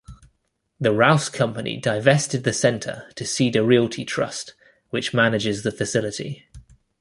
The Rouse company divested the center to Cedar Realty Trust which manages the facility.